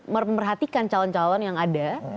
memperhatikan calon calon yang ada